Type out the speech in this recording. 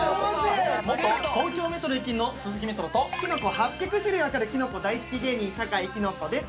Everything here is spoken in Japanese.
元東京メトロ駅員の鈴木メトロときのこ８００種類わかるきのこ大好き芸人坂井きのこです